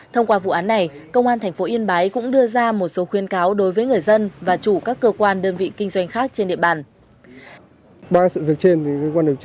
thông qua vụ án này công an tp yên bái cũng đưa ra một số khuyên cáo đối với người dân và chủ các cơ quan đơn vị kinh doanh khác trên địa bàn